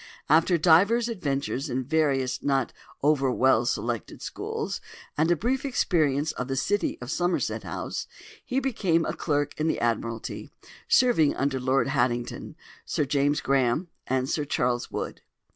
After divers adventures in various not over well selected schools, and a brief experience of the City and of Somerset House, he became a clerk in the Admiralty, serving under Lord Haddington, Sir James Graham, and Sir Charles Wood.